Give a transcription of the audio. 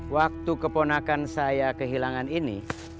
waktu keponakan saya kehilangan ini